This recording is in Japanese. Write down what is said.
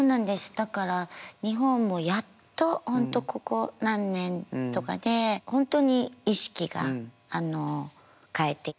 だから日本もやっと本当ここ何年とかで本当に意識が変えて。